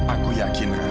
aku yakin rah